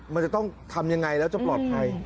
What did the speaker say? มันจะต้องทำยังไงแล้วจะปลอดภัย